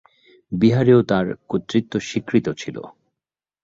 বিহারেও তাঁর কর্তৃত্ব স্বীকৃত ছিল।